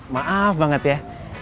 maaf banget ya